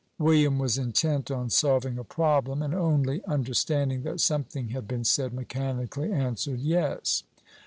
William was intent on solving a problem, and only understanding that something had been said, mechanically answered, "Yes."